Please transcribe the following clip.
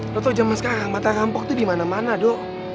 lo tau jaman sekarang mata rampok tuh dimana mana do